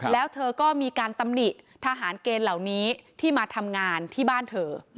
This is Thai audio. แล้วเธอก็มีการตำหนิทหารเกณฑ์เหล่านี้ที่มาทำงานที่บ้านเธอ